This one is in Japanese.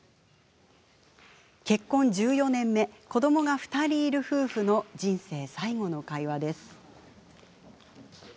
結婚１４年目子どもが２人いる夫婦の人生最後の会話です。